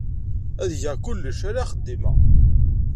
Ad geɣ kullec, ala axeddim-a.